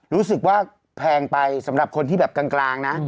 รู้สึกว่าแพงไปสำหรับคนที่แบบกลางนะ